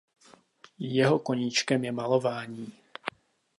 Jeho koníčkem je malování.